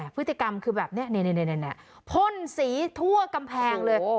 พฤติกรรมคือแบบนี้พ่นสีทั่วกำแพงเลย